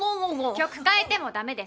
曲変えてもダメです！